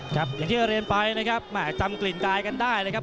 อย่างที่เรียนไปนะครับแหม่จำกลิ่นกายกันได้เลยครับ